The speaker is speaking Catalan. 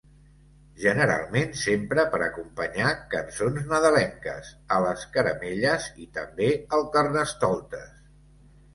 Generalment s'empra per acompanyar cançons nadalenques, a les caramelles i també al Carnestoltes.